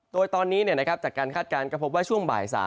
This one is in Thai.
โดยตอนนี้จากการคาดการณ์ก็พบว่าช่วงบ่าย๓